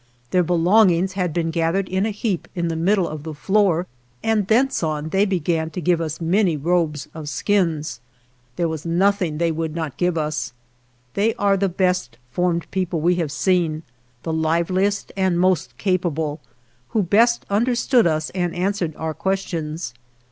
Their belongings had been gathered in a heap in the middle of the floor, and thence on they began to give us many robes of skins. There was nothing they would not give us. They are the best 151 THE JOURNEY OF formed people we have seen, the liveliest and most capable ; who best understood us and answered our questions.